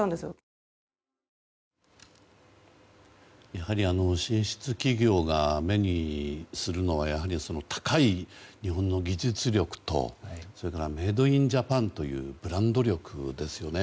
やはり進出企業が目にするのは高い日本の技術力とそれからメイド・イン・ジャパンというブランド力ですよね。